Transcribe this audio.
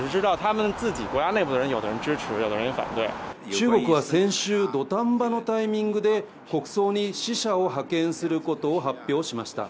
中国は先週、土壇場のタイミングで国葬に使者を派遣することを発表しました。